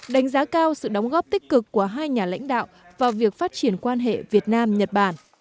đánh giá cao sự đóng góp tích cực của hai nhà lãnh đạo vào việc phát triển quan hệ việt nam nhật bản